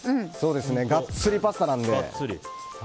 ガッツリパスタなので。